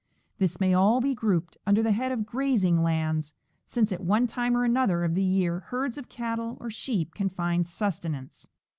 This may all be grouped under the head of grazing lands, since at one time or another of the year herds of cattle or sheep can find sustenance.